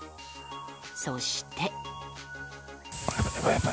そして。